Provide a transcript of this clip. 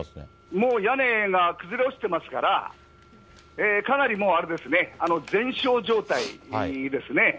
もう屋根が崩れ落ちてますから、かなりもうあれですね、全焼状態ですね。